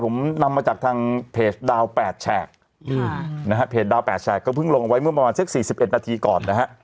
ผมนำมาจากทางเพจดาว๘แฉกนะฮะเพจดาว๘แฉกก็เพิ่งลงไว้เมื่อประมาณสัก๔๑นาทีก่อนนะฮะ